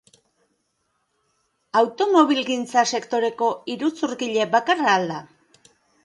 Automobilgintza sektoreko iruzurgile bakarra al da?